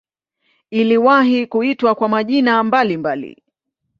Iliwahi kuitwa kwa majina mbalimbali.